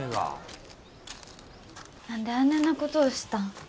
何であねえなことをしたん？